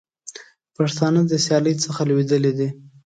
پښتانه د سیالۍ څخه لوېدلي دي.